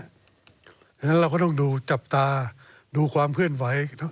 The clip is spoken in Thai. เพราะฉะนั้นเราก็ต้องดูจับตาดูความเคลื่อนไหว